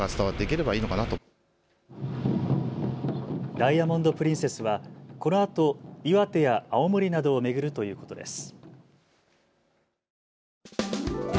ダイヤモンド・プリンセスはこのあと岩手や青森などを巡るということです。